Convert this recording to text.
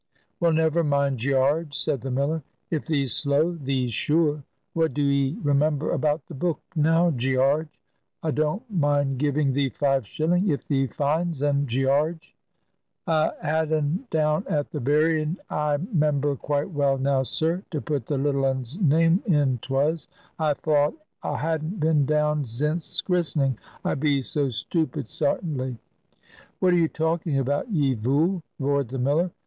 "Well, never mind, Gearge," said the miller; "if thee's slow, thee's sure. What do 'ee remember about the book, now, Gearge? A don't mind giving thee five shilling, if thee finds un, Gearge." "A had un down at the burying, I 'member quite well now, sir. To put the little un's name in 'twas. I thowt a hadn't been down zince christening, I be so stoopid sartinly." "What are you talking about, ye vool?" roared the miller.